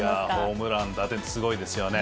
ホームラン、打点、すごいですよね。